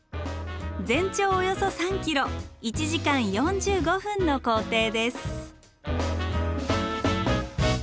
全長およそ３ｋｍ１時間４５分の行程です。